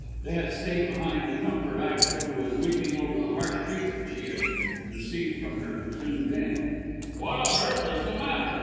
They had stayed behind to comfort Ida, who was weeping over the harsh treatment she had received from her presumed aunt. "What on earth is the matter?"